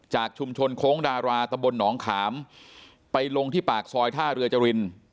จากชุมชนโค้งดาราตะบลหนองขามไปลงที่ปากซอยท่าเรือจริน